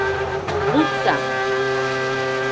Лукса!